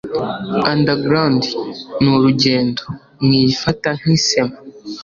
Underground ni urugendo mwiyifata nki sema